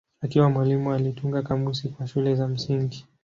Akiwa mwalimu alitunga kamusi kwa shule za msingi.